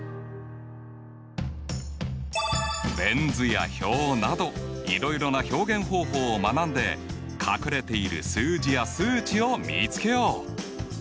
ベン図や表などいろいろな表現方法を学んで隠れている数字や数値を見つけよう。